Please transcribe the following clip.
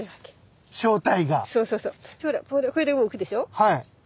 はい。